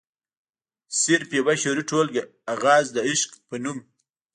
صرف يوه شعري ټولګه “اغاز َد عشق” پۀ نوم